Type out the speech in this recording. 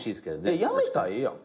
やめたらええやん。